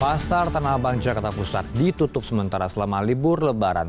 pasar tanah abang jakarta pusat ditutup sementara selama libur lebaran